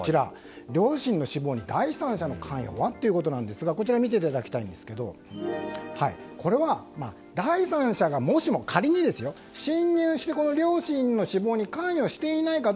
両親の死亡に第三者の関与は？ということなんですがこれは、第三者がもしも仮に侵入してこの両親の死亡に関与していないか。